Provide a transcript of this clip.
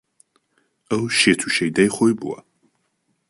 ئەو شێت و شەیدای خۆی بووە